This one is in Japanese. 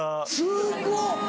すごっ！